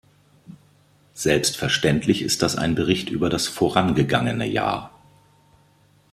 Selbstverständlich ist das ein Bericht über das vorangegangene Jahr.